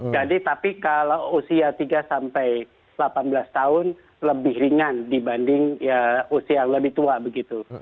jadi tapi kalau usia tiga sampai delapan belas tahun lebih ringan dibanding ya usia yang lebih tua begitu